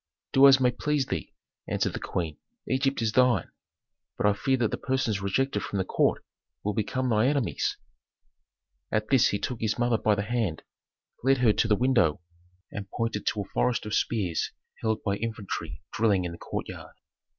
"Do as may please thee," answered the queen. "Egypt is thine. But I fear that the persons rejected from the court will become thy enemies." At this he took his mother by the hand, led her to the window, and pointed to a forest of spears held by infantry drilling in the courtyard.